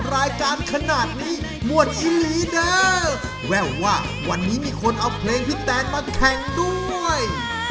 รายการขนาดนี้มวดอิลีเด้อแววว่าวันนี้มีคนเอาเพลงพี่แตนมาแข่งด้วย